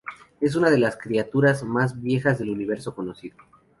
Es una de las criaturas más viejas del universo conocido.